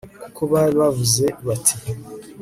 kuko bari bavuze bati